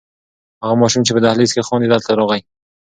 هغه ماشوم چې په دهلېز کې خاندي دلته راغی.